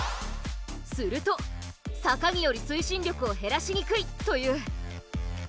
すると坂による推進力を減らしにくいという。